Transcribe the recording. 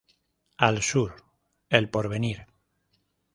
Al Sur El Porvenir.